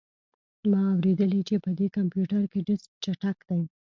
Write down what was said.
ما اوریدلي چې په دې کمپیوټر کې ډیسک چټک دی